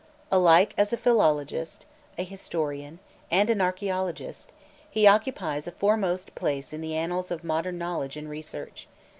Alike as a philologist, a historian, and an archaeologist, he occupies a foremost place in the annals of modern knowledge and research.